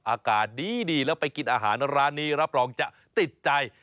อากาศดีแล้วไปกินอาหารร้านนี้รับรองจะติดใจ